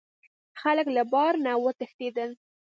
خلک له بار نه وتښتیدل.